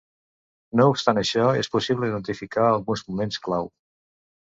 No obstant això, és possible identificar alguns moments clau.